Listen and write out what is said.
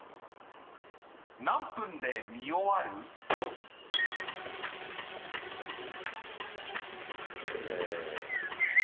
［何分で見終わる？］え。